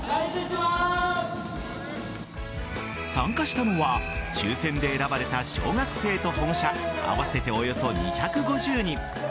参加したのは抽選で選ばれた小学生と保護者合わせておよそ２５０人。